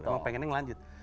emang pengennya ngelanjut